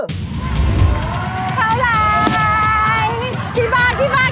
เท่าไร